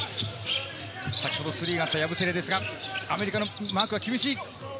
先ほどスリーがあったヤブセレですが、アメリカのマークは厳しい。